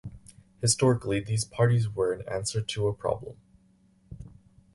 Historically these parties were an answer to a problem.